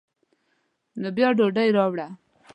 نو بیا ډوډۍ راوړه.